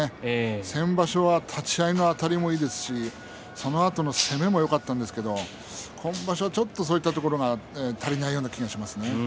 先場所立ち合いのあたりもいいですしそのあとの攻めもよかったんですけれど今場所ちょっとそういうところが足りないような気がします。